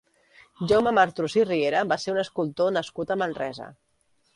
Jaume Martrus i Riera va ser un escultor nascut a Manresa.